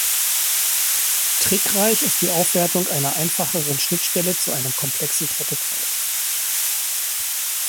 Trickreich ist die Aufwertung einer einfacheren Schnittstelle zu einem komplexen Protokoll.